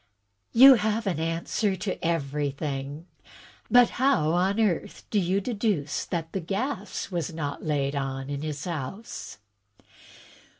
"You have an answer to everjrthing. But how on earth do you deduce that the gas is not laid on in his house?"